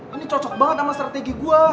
ini cocok banget sama strategi gue